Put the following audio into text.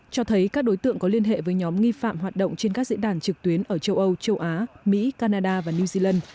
cho thấy các đối tượng có liên hệ với nhóm nghi phạm hoạt động trên các diễn đàn trực tuyến ở châu âu châu á mỹ canada và new zealand